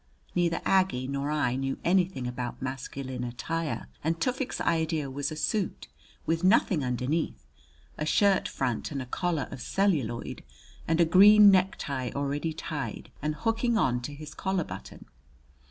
Neither Aggie nor I knew anything about masculine attire, and Tufik's idea was a suit, with nothing underneath, a shirt front and collar of celluloid, and a green necktie already tied and hooking on to his collar button.